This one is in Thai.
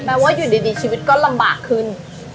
ว่าอยู่ดีชีวิตก็ลำบากขึ้น